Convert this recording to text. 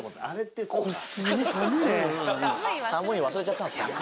「寒い」忘れちゃったんですか。